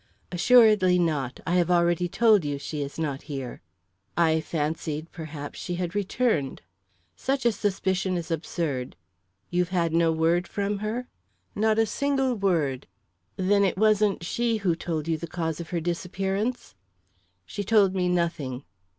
"Assuredly not; I have already told you she is not here." "I fancied perhaps she had returned." "Such a suspicion is absurd." "You've had no word from her?" "Not a single word." "Then it wasn't she who told you the cause of her disappearance?" "She told me nothing."